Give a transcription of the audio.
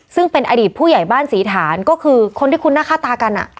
ซึ่งเป็นอดีตผู้ใหญ่บ้านศรีฐานก็คือคนที่คุ้นหน้าค่าตากัน